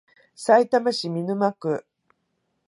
さいたま市見沼区